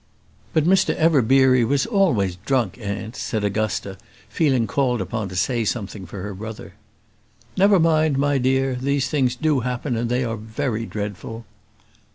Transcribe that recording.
"But Mr Everbeery was always drunk, aunt," said Augusta, feeling called upon to say something for her brother. "Never mind, my dear; these things do happen, and they are very dreadful."